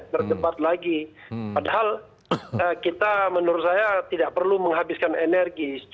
berdebat lagi padahal kita menurut saya tidak perlu menghabiskan energi